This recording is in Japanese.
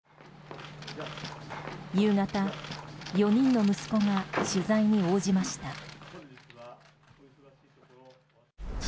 夕方、４人の息子が取材に応じました。